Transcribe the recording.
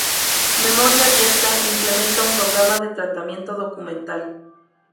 Memoria Abierta implementa un programa de tratamiento documental.